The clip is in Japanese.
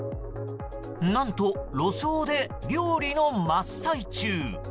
何と路上で料理の真っ最中。